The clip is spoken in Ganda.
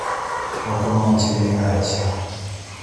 Wakoma mu kibiina ki?